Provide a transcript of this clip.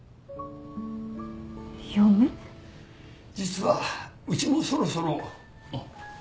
実はうちもそろそろおっ。